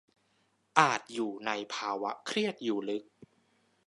อาจอยู่ในภาวะเครียดอยู่ลึก